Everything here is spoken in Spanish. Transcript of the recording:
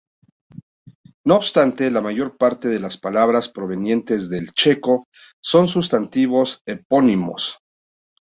No obstante, la mayor parte de las palabras provenientes del checo son sustantivos epónimos.